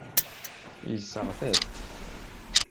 Yesseɣta-t.